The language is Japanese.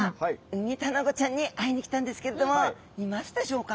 ウミタナゴちゃんに会いに来たんですけれどもいますでしょうか？